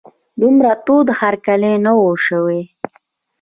دومره تود هرکلی نه و شوی.